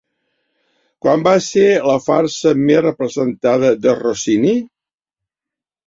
Quan va ser la farsa més representada de Rossini?